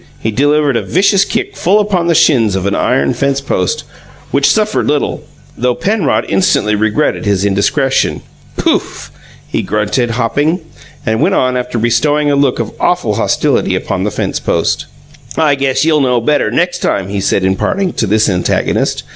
He delivered a vicious kick full upon the shins of an iron fence post, which suffered little, though Penrod instantly regretted his indiscretion. "Oof!" he grunted, hopping; and went on after bestowing a look of awful hostility upon the fence post. "I guess you'll know better next time," he said, in parting, to this antagonist.